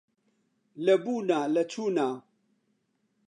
لە بوونا لە چوونا